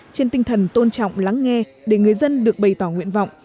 trên tinh thần tôn trọng lắng nghe để người dân được bày tỏ nguyện vọng